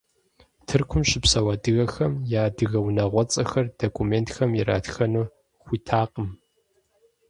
Тыркум щыпсэу адыгэхэм я адыгэ унагъуэцӀэхэр документхэм иратхэну хуитакъым.